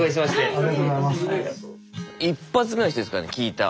一発目の人ですからね聞いた。